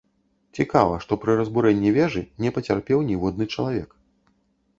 Цікава, што пры разбурэнні вежы не пацярпеў ніводны чалавек.